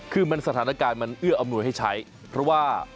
คือมันสถานการณ์มันเอื้ออำนวยให้ใช้เพราะว่า